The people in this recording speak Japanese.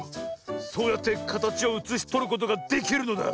そうやってかたちをうつしとることができるのだ。